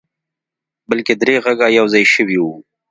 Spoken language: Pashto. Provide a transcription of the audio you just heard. بلکې درې غږه يو ځای شوي وو.